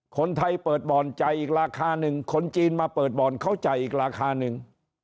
คนไทยเปิดบ่อนจ่ายอีกราคาหนึ่งคนจีนมาเปิดบ่อนเขาจ่ายอีกราคาหนึ่ง